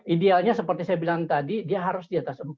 idealnya seperti saya bilang tadi dia harus di atas empat